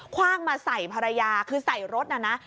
ว่างมาใส่ภรรยาคือใส่รถน่ะนะ